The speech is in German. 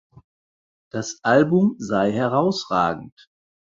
Das Album sei „herausragend“.